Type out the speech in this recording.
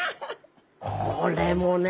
これもね